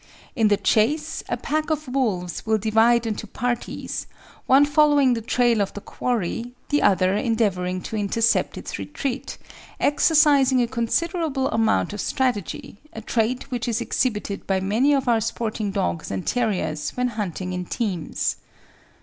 In the chase, a pack of wolves will divide into parties, one following the trail of the quarry, the other endeavouring to intercept its retreat, exercising a considerable amount of strategy, a trait which is exhibited by many of our sporting dogs and terriers when hunting in teams.